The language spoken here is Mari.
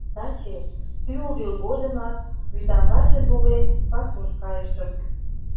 Таче, тӱл-дӱл годымак вӱтамбачын волен, пасуш кайышым.